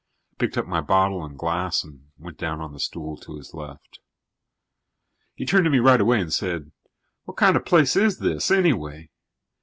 I picked up my bottle and glass and went down on the stool to his left. He turned to me right away and said: "What kind of a place is this, anyway?"